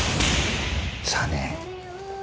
さあね。